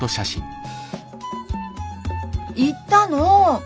行ったの。